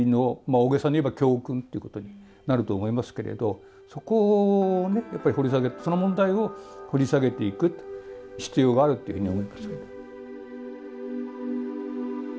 大げさにいえば教訓ということになると思いますけれどそこを掘り下げてその問題を掘り下げていく必要があるというふうに思いますけど。